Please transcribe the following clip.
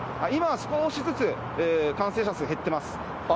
今は少しずつ、感染者数、減ってます。